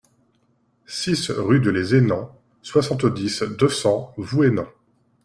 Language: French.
six rue de les Aynans, soixante-dix, deux cents, Vouhenans